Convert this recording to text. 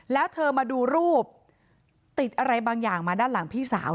แล้วเธอมาดูรูปติดอะไรบางอย่างมาด้านหลังพี่สาว